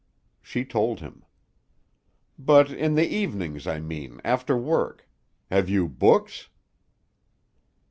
She told him. "But, in the evenings, I mean, after work. Have you books?"